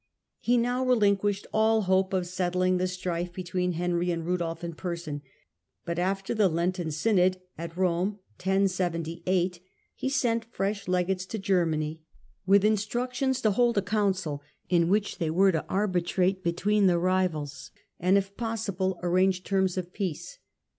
He now relin quished all hope of settling the strife between Henry and Rudolf in person ; but after the Lenten synod at Rome (1078) he sent fresh legates to Germany with instructions to hold a council in which they were to arbitrate between the rivals, and, if possible, arrange terms of peace.